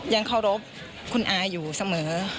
ยังเคารพคุณอาอยู่เสมอ